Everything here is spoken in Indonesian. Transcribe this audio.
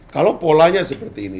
kalau polanya seperti ini